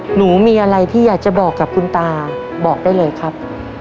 หนูมีอะไรที่อยากจะบอกกับคุณตาบอกได้เลยครับ